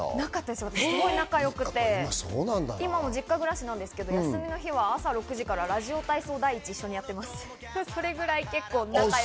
すごく仲良くて、今も実家暮らしなんですけど、休みの日は朝からラジオ体操第一を一緒にやっています。